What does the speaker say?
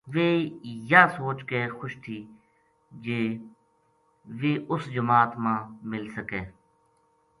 ویہ یاہ سوچ کے خوش تھی جے ویہ اس جماعت ما مل سکے